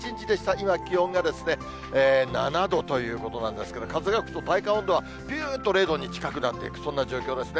今、気温が７度ということなんですけど、風が吹くと、体感温度はびゅーっと０度に近くなっていく、そんな状況ですね。